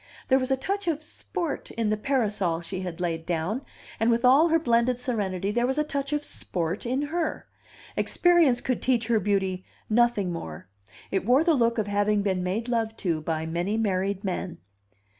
There was a touch of "sport" in the parasol she had laid down; and with all her blended serenity there was a touch of "sport" in her. Experience could teach her beauty nothing more; it wore the look of having been made love to by many married men.